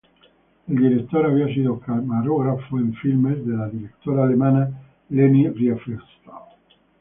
El director había sido camarógrafo en filmes de la directora alemana Leni Riefenstahl.